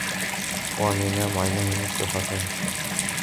خوان ينام وعيناه مفتوحتان.